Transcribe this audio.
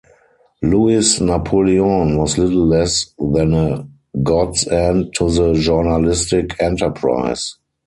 Louis Napoleon was little less than a godsend to the journalistic enterprise.